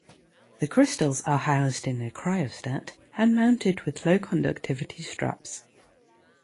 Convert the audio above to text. The crystals are housed in a cryostat, and mounted with low-conductivity straps.